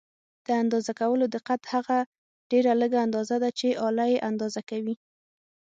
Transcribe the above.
د اندازه کولو دقت هغه ډېره لږه اندازه ده چې آله یې اندازه کوي.